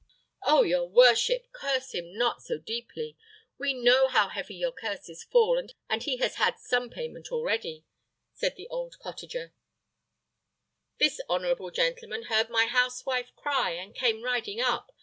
"Oh! your worship, curse him not so deeply; we know how heavy your curses fall, and he has had some payment already," said the old cottager: "this honourable gentleman heard my housewife cry, and came riding up.